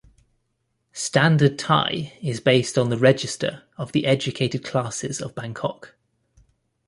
Standard Thai is based on the register of the educated classes of Bangkok.